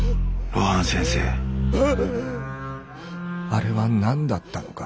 「あれ」は何だったのか？